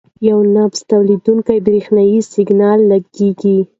یو نبض تولیدوونکی برېښنايي سیګنال لېږي.